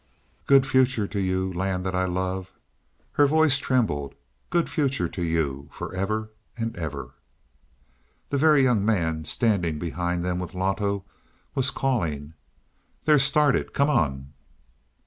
"Good future to you, land that I love." Her voice trembled. "Good future to you, for ever and ever." The Very Young Man, standing behind them with Loto, was calling: "They're started; come on."